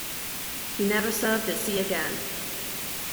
He never served at sea again.